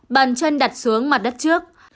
bàn chân đặt xuống mặt đất trước